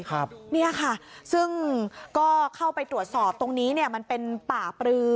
นี่ค่ะซึ่งก็เข้าไปตรวจสอบตรงนี้มันเป็นป่าปลือ